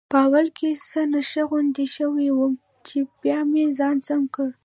په اول کې څه نشه غوندې شوی وم، چې بیا مې ځان سم کړ.